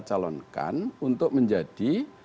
calonkan untuk menjadi